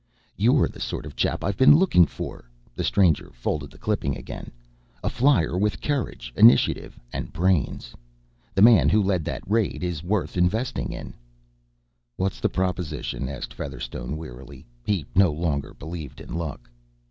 "You're the sort of chap I've been looking for," the stranger folded the clipping again, "a flyer with courage, initiative and brains. The man who led that raid is worth investing in." "What's the proposition?" asked Featherstone wearily. He no longer believed in luck.